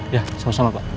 ya selesai selesai pak